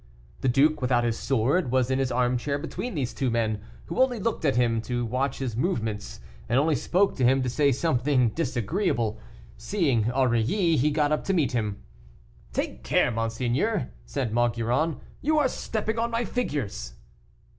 The duke, without his sword, was in his armchair between these two men, who only looked at him to watch his movements, and only spoke to him to say something disagreeable: seeing Aurilly, he got up to meet him. "Take care monseigneur," said Maugiron, "you are stepping on my figures."